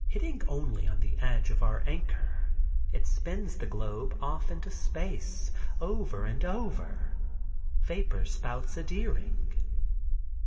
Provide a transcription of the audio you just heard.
Hitting only on the edge of our anchor, ice, it spins the globe off into space, over and over, vapor spouts adhering.